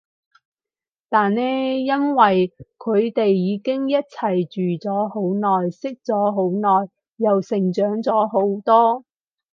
但呢因為佢哋已經一齊住咗好耐，識咗好耐，又成長咗好多